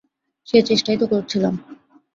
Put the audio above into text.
সেই চেষ্টাই তো করছিলাম।